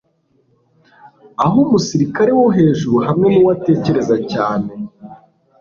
Aho umusirikare wohejuru hamwe nuwatekereza cyane